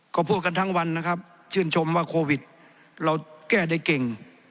ก็พูดกันทั้งวันนะครับชื่นชมว่าโควิดเราแก้ได้เก่ง